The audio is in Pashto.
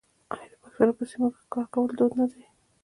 آیا د پښتنو په سیمو کې ښکار کول دود نه دی؟